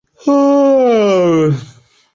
市内的气候颇为温和。